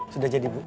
sudah jadi bu